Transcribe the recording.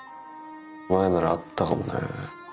前ならあったかもね。